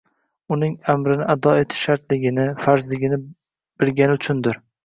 Uning amrini ado etish shartligini, farzligini bilgani uchundir.